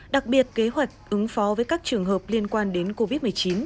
đặc biệt kế hoạch ứng phó với các trường hợp liên quan đến covid một mươi chín